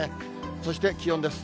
そして気温です。